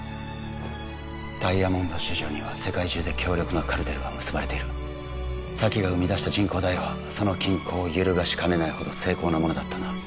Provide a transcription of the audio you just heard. ダイヤモンド市場には世界中で強力なカルテルが結ばれている沙姫が生み出した人工ダイヤはその均衡を揺るがしかねないほど精巧なものだったんだ